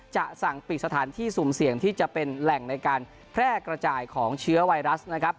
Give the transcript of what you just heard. จะสั่งปิดสถานที่สุ่มเสี่ยงที่จะเป็นแหล่งในการแพร่กระจายของเชื้อไวรัสนะครับ